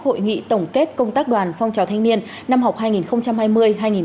hội nghị tổng kết công tác đoàn phong trò thanh niên